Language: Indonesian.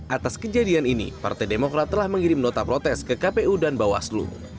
atas kejadian ini partai demokrat telah mengirim nota protes ke kpu dan bawaslu